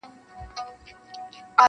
نور مغروره سو لويي ځني کيدله,